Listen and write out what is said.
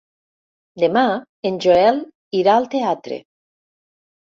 Demà en Joel irà al teatre.